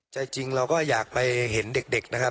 ใจจริงเราก็อยากไปเห็นเด็กนะครับ